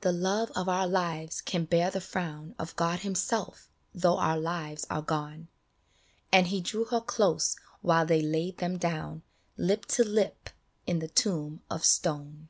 31 BALLAD " The love of our lives can bear the frown Of God Himself, though our lives are gone." And he drew her close while they laid them down Lip to lip in the tomb of stone.